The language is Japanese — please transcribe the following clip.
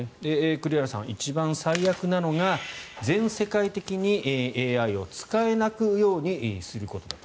栗原さん、一番最悪なのが全世界的にＡＩを使えないようにすることだと。